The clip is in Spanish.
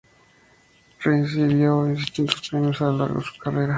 Recibió distintos premios a lo largo de su carrera.